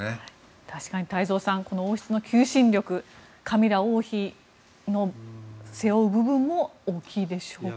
確かに太蔵さんこの王室の求心力カミラ王妃の背負う部分も大きいでしょうか。